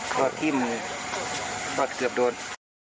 เพราะที่มันเกือบโดน